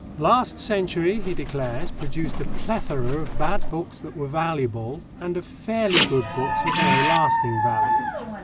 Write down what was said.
"Last century," he declares, "produced a plethora of bad books that were valuable, and of fairly good books with no lasting value.